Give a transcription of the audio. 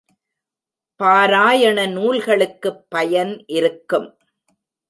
பாராயண நூல்களுக்குப் பயன் இருக்கும்.